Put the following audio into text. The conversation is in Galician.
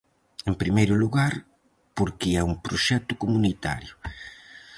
En primeiro lugar porque é un proxecto comunitario.